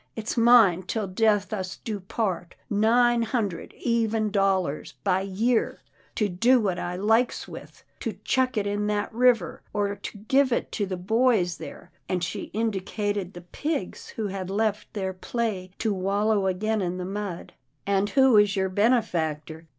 It's mine till death us do part — nine hundred even dollars by year, to do what I likes with, to chuck it in that river, or to give it to the boys there," and she indicated the pigs who had left their play to wallow again in the mud. "And who is your benefactor?"